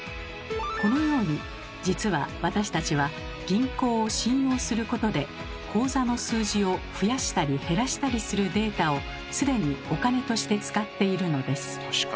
このように実は私たちは銀行を信用することで口座の数字を増やしたり減らしたりするデータを既にお金として使っているのです。